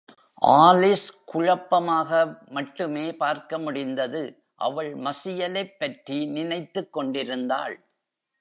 Alice குழப்பமாக மட்டுமே பார்க்க முடிந்தது: அவள் மசியலைப் பற்றி நினைத்துக் கொண்டிருந்தாள்.